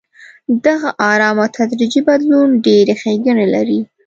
دغه ارام او تدریجي بدلون ډېرې ښېګڼې لري.